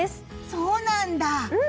そうなんだ！